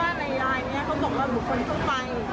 เพราะว่าเรามาเศรษฐ์มั่นบาซ่าเขาก็ไม่บอกหลุดให้เราเลยไปสรุปบ้าน